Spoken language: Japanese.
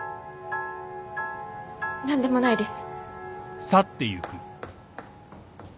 何でもないです。